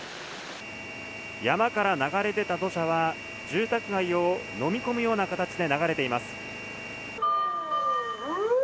山から流れ出た土砂は、住宅街を飲み込むような形で流れています。